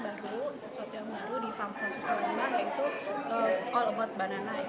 sesuatu yang baru di farm fossil salaman yang itu all about banana